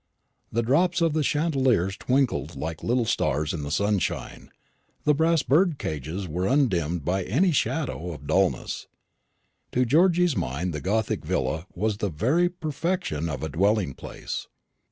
The drops of the chandeliers twinkled like little stars in the sunshine; the brass birdcages were undimmed by any shadow of dulness. To Georgy's mind the gothic villa was the very perfection of a dwelling place.